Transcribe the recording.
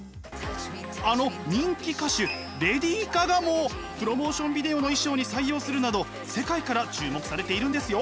あの人気歌手レディー・ガガもプロモーションビデオの衣装に採用するなど世界から注目されているんですよ！